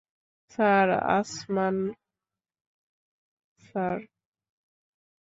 Sir, Asman, sir!